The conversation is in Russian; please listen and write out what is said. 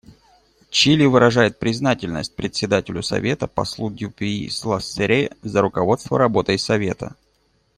Чили выражает признательность Председателю Совета послу Дюпюи Лассерре за руководство работой Совета.